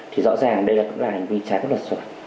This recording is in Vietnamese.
thì rõ ràng đây cũng là hành vi trái pháp luật sửa